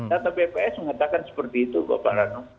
data bps mengatakan seperti itu bapak rano